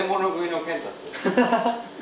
ハハハハ！